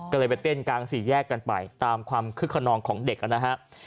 ก็เลยไปเต้นกลางสี่แยกกันไปตามความคึกขนองของเด็กนะครับ